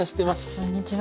こんにちは。